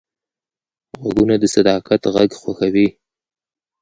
غوږونه د صداقت غږ خوښوي